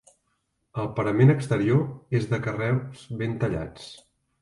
El parament exterior és de carreus ben tallats.